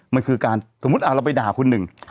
มันคือการสมมุติเราไปด่าคุณหนึ่ง